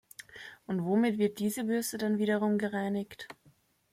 Und womit wird diese Bürste dann wiederum gereinigt?